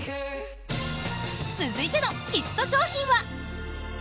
続いてのヒット商品は。